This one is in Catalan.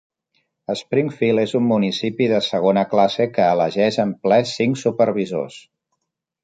Springfield és un municipi de segona classe que elegeix en ple cinc supervisors.